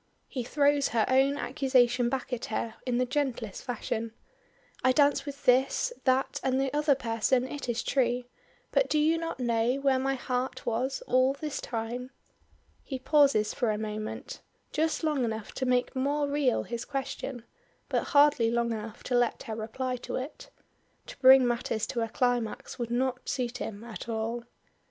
He throws her own accusation back at her in the gentlest fashion. "I danced with this, that, and the other person it is true, but do you not know where my heart was all this time?" He pauses for a moment, just long enough to make more real his question, but hardly long enough to let her reply to it. To bring matters to a climax, would not suit him at all.